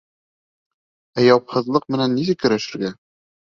Ә яуапһыҙлыҡ менән нисек көрәшергә?